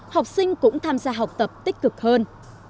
học sinh cũng tham gia học tập tích cực hơn